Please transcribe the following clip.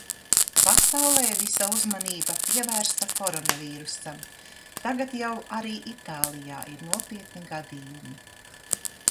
Pasaulē visa uzmanība pievērsta Korona vīrusam. Tagad jau arī Itālijā ir nopietni gadījumi.